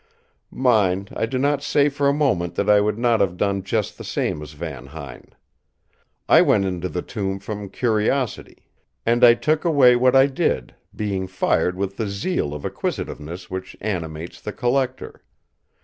Mind, I do not say for a moment that I would not have done just the same as Van Huyn. I went into the tomb from curiosity; and I took away what I did, being fired with the zeal of acquisitiveness which animates the collector.